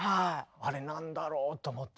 あれ何だろう？と思ってね。